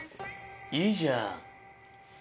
・いいじゃん。